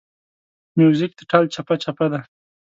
موزیک د ټال چپهچپه ده.